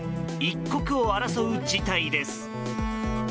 一刻を争う事態です。